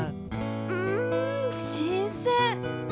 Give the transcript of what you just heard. うんしんせん！